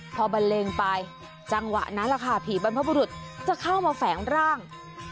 พอบันเลงไปจังหวะนั้นแหละค่ะผีบรรพบุรุษจะเข้ามาแฝงร่าง